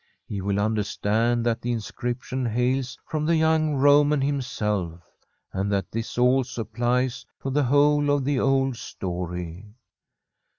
He will understand that the inscription hales from the young Roman himself, and that this also applies to the whole of the old story.